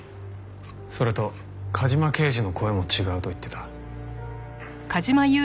それと梶間刑事の声も違うと言ってた。